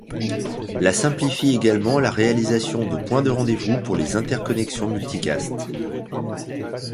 La simplifie également la réalisation de points de rendez-vous pour les interconnexions multicast.